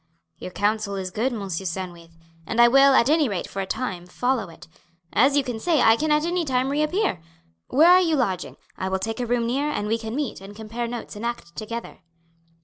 "Your counsel is good, Monsieur Sandwith, and I will, at anyrate for a time, follow it. As you say, I can at anytime reappear. Where are you lodging? I will take a room near, and we can meet and compare notes and act together."